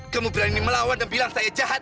kamu berani melawan dan bilang saya jahat